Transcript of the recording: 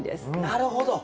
なるほど。